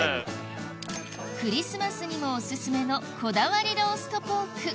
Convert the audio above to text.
クリスマスにもオススメのこだわりローストポーク